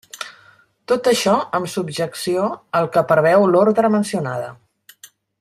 Tot això amb subjecció al que preveu l'ordre mencionada.